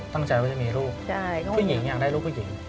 ตั้งใจว่าจะมีลูกผู้หญิงอยากได้ลูกผู้หญิง